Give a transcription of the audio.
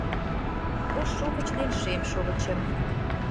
Ош шовыч ден шем шовычым